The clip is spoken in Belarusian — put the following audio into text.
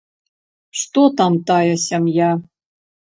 Што там тая сям'я?